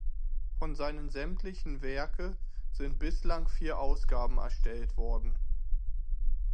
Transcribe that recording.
Von seinen Sämtlichen Werke sind bislang vier Ausgaben erstellt worden.